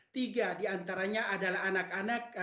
tiga diantaranya adalah anak anak